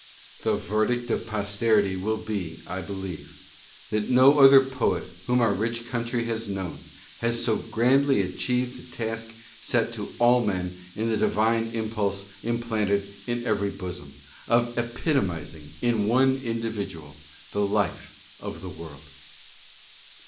The verdict of posterity will be, I believe, that no other poet whom our rich century has known has so grandly achieved the task set to all men by the divine impulse implanted in every bosom, of epito mizing in one individual the life of the world.